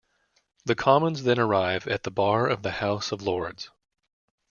The Commons then arrive at the Bar of the House of Lords.